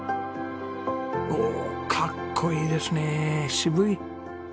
おおかっこいいですね。渋い！